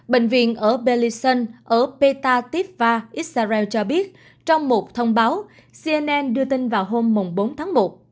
bệnh viện ở berlinson ở petatipva israel cho biết trong một thông báo cnn đưa tin vào hôm bốn tháng một